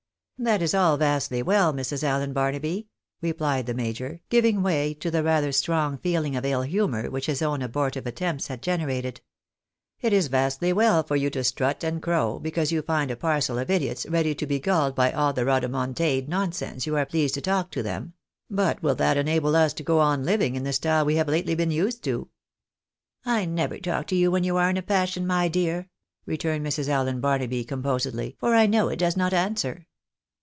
" That is all vastly well, Mrs. Allen Barnaby," replied the major, giving way to the rather strong feeling of ill humour which his own abortive attempts had generated. "It is vastly well for you to strut and crow, because you find a parcel of idiots ready to be gulled by all the rhodomontade nonsense you are pleased to talk to them ; but will that enable us all to go on living in the style we have lately been used to ?"" I never talk to you when you are in a passion, my dear," returned Mrs. Allen Barnaby, composedly, " for I know it does not answer."